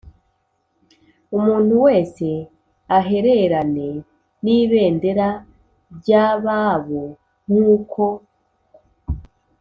umuntu wese ahererane n ibendera ry ababo nk uko